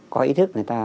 có ý thức người ta